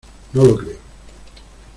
no lo creo.